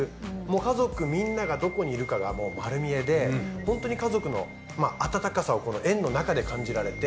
家族みんながどこにいるかがもう丸見えでホントに家族の温かさを円の中で感じられて。